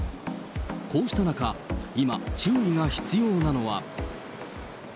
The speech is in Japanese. こうした中、今、注意が必要なのは。